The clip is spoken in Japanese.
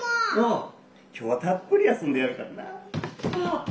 今日はたっぷり遊んでやるからな。